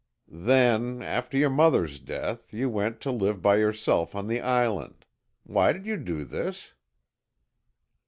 "Then, after your mother's death, you went to live by yourself on the island. Why did you do this?"